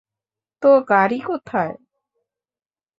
তো গাড়ি কোথায়?